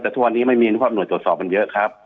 แต่ทุกวันนี้ไม่มีทุกวันหน่วยจดสอบมันเยอะครับ